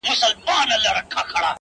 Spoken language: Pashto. نړوم غرونه د تمي، له اوږو د ملایکو